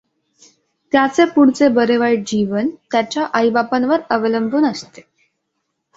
त्याचे पुढचे बरे-वाईट जीवन त्याच्या आईबापांवर अवलंबून असते.